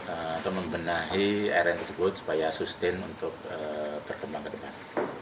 atau membenahi air yang tersebut supaya sustain untuk berkembang ke depan